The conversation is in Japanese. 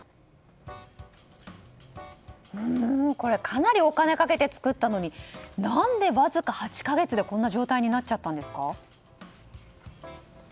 かなりお金をかけて作ったのになぜわずか８か月でこんな状態になっちゃったんですか？